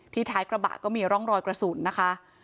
ท้ายกระบะก็มีร่องรอยกระสุนนะคะ